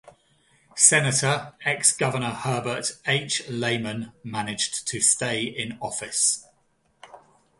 Senator, Ex-Governor Herbert H. Lehman, managed to stay in office.